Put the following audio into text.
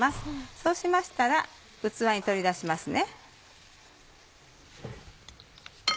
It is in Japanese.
そうしましたら器に取り出しますね。